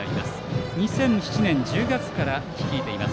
２００７年１０月からチームを率いています。